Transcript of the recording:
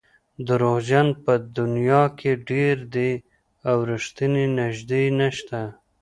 دروغجن په دنیا کې ډېر دي او رښتیني نژدې نشته.